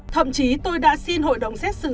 thậm chí tôi đã xin hội đồng xét xử